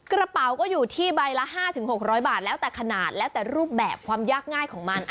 กระเป๋าก็อยู่ที่ใบละ๕๖๐๐บาทแล้วแต่ขนาดแล้วแต่รูปแบบความยากง่ายของมัน